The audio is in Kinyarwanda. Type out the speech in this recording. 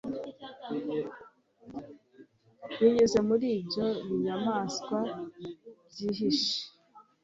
Binyuze muri ibyo binyamanswa byihishe